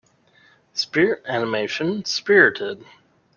Spirit animation Spirited.